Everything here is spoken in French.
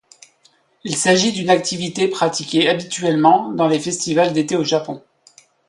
Il s’agit d’une activité pratiquée habituellement dans les festivals d’été au Japon.